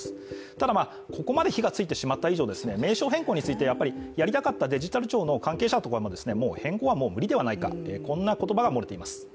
ただここまで火がついてしまった以上名称変更について、やりたかったデジタル庁の関係者からももう変更は無理ではないかこんな言葉が漏れています。